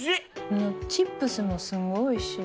このチップスもすごいおいしい。